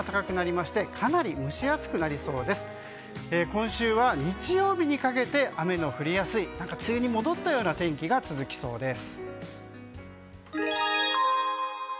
今週は日曜日にかけて雨の降りやすい梅雨に戻ったような天気が続きそうです。